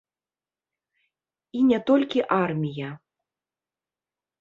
І не толькі армія.